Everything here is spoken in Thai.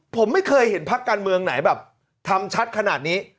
ผมไม่เคยเห็นพักการเมืองไหนแบบทำชัดขนาดนี้